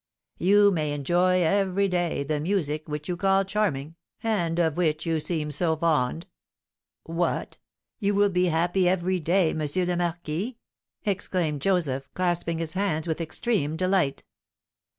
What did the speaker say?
"You may enjoy every day the music which you call charming, and of which you seem so fond." "What! You will be happy every day, M. le Marquis?" exclaimed Joseph, clasping his hands with extreme delight.